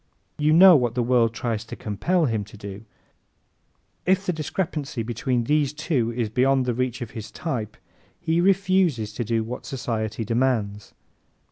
You know what the world tries to compel him to do. If the discrepancy between these two is beyond the reach of his type he refuses to do what society demands.